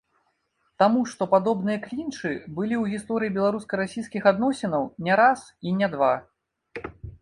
Таму што падобныя клінчы былі ў гісторыі беларуска-расійскіх адносінаў не раз і не два.